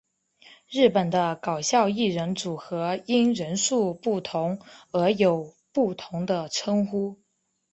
日本的搞笑艺人组合因人数不同而有不同的称呼。